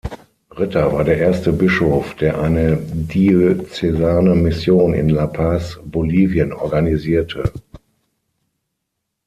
Ritter war der erste Bischof, der eine diözesane Mission in La Paz, Bolivien organisierte.